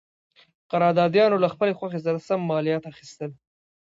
قراردادیانو له خپلې خوښې سره سم مالیات اخیستل.